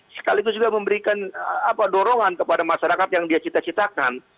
sekaligus juga memberikan dorongan kepada masyarakat yang dia cita citakan